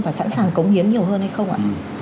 và sẵn sàng cống hiến nhiều hơn hay không ạ